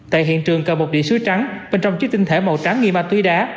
tại hiện trường cầm một địa sứ trắng bên trong chiếc tinh thẻ màu trắng nghi ma túy đá